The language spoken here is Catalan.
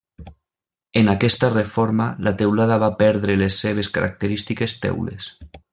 En aquesta reforma la teulada va perdre les seves característiques teules.